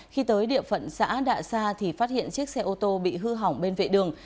khi tới địa phận xã đạ sa thì phát hiện chiếc xe ô tô bị hư hỏng bên vệ đường